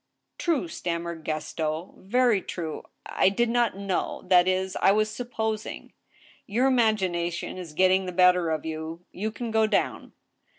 " True," stammered Gaston, " very true. I did not know ... that is, I was supposing —"" Your imagination is getting the better of you. ... You can go down."